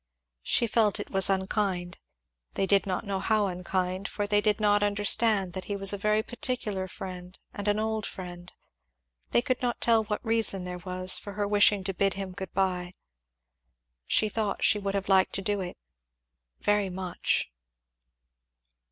She felt it was unkind they did not know how unkind, for they did not understand that he was a very particular friend and an old friend they could not tell what reason there was for her wishing to bid him good bye. She thought she should have liked to do it, very much.